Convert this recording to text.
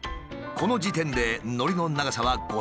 この時点でのりの長さは５ｃｍほど。